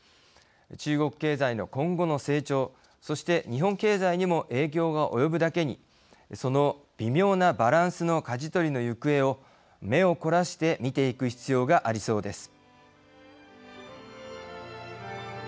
中国経済の今後の成長そして、日本経済にも影響が及ぶだけにその微妙なバランスのかじ取りの行方を目を凝らして見ていく必要がありそうです。